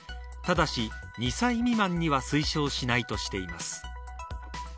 ただし、２歳未満には推奨しないとしています。